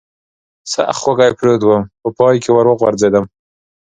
سخت وږی پروت ووم، په پای کې ور وغورځېدم.